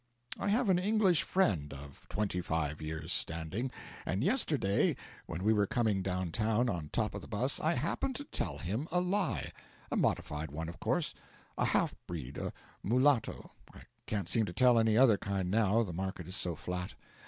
I have an English friend of twenty five years' standing, and yesterday when we were coming down town on top of the 'bus I happened to tell him a lie a modified one, of course; a half breed, a mulatto; I can't seem to tell any other kind now, the market is so flat.